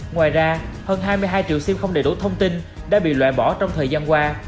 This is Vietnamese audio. ngoài ra hơn hai mươi hai triệu sim không đầy đủ thông tin đã bị loại bỏ trong thời gian qua